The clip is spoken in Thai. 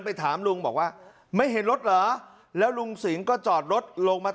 ไปถามลุงบอกว่าไม่เห็นรถเหรอแล้วลุงสิงห์ก็จอดรถลงมา